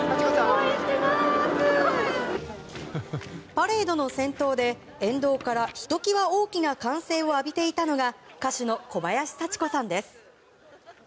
パレードの先頭で沿道から、ひときわ大きな歓声を浴びていたのが歌手の小林幸子さんです。